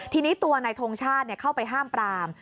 ทีนี้ตัวนายทงชาติเข้าไปห้ามปราม